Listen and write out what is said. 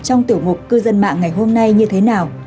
trong tiểu mục cư dân mạng ngày hôm nay như thế nào